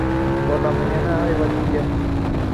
Ganga was associated with Lord Shiva.